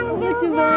ini perang juga